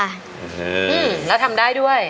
อืมแล้วทำได้ด้วย